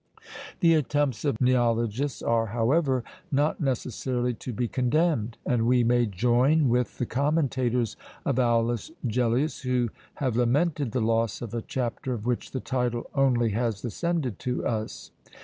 The attempts of neologists are, however, not necessarily to be condemned; and we may join with the commentators of Aulus Gellius, who have lamented the loss of a chapter of which the title only has descended to us.